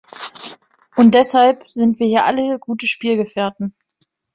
Und deshalb sind wir hier alle gute Spielgefährten.